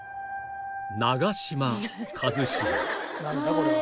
これは。